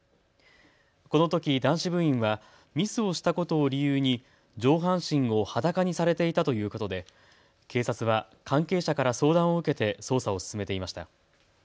このとき男子部員はミスをしたことを理由に上半身を裸にされていたということで警察は関係者から相談を受けて捜査を進めていました。